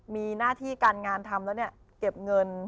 มีหน้าที่การงานทำแล้วเนี่ยเก็บเงิน